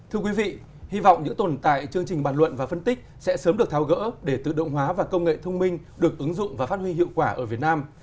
thưa quý vị hy vọng những tồn tại chương trình bàn luận và phân tích sẽ sớm được tháo gỡ để tự động hóa và công nghệ thông minh được ứng dụng và phát huy hiệu quả ở việt nam